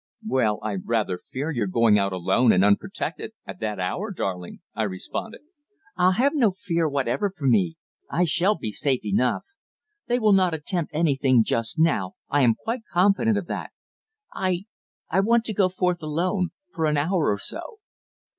"Well, I rather fear your going out alone and unprotected at that hour, darling," I responded. "Ah! have no fear whatever for me. I shall be safe enough. They will not attempt anything just now. I am quite confident of that. I I want to go forth alone, for an hour or so."